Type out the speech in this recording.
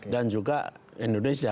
dan juga indonesia